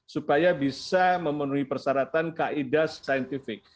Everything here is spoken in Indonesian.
supaya bisa memenuhi persyaratan kaedah saintifik